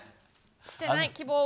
捨てない、希望を。